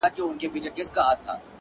د زلفو بڼ كي د دنيا خاوند دی”